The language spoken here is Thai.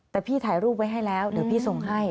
แต่พี่ถ่ายรูปไว้ให้แล้วเดี๋ยวพี่ส่งให้